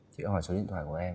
chị hỏi số điện thoại của em